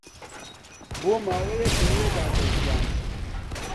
بۆ ماوەیەک لەوێدا دەژیان